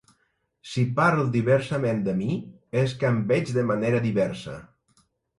Si parl diversament de mi, és que em veig de manera diversa.